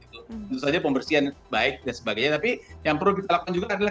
tentu saja pembersihan baik dan sebagainya tapi yang perlu dilakukan juga kan adalah